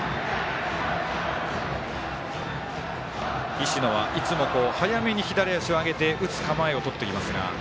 石野はいつも早めに左足を上げて打つ構えをとってきますが。